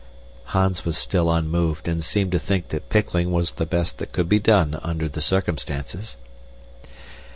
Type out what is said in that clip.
Hans was still unmoved and seemed to think that pickling was the best that could be done under the circumstances.